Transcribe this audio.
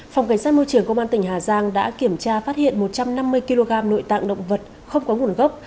phòng cảnh sát môi trường công an tỉnh hà giang đã kiểm tra phát hiện một trăm năm mươi kg nội tạng động vật không có nguồn gốc